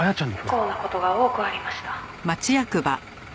「不幸な事が多くありました」